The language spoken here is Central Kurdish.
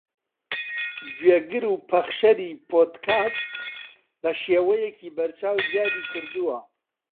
گوێگر و پەخشەری پۆدکاست بەشێوەیەکی بەرچاو زیادی کردووە